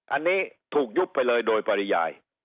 อันนี้ถูกยุบไปเลยโดยปริยาย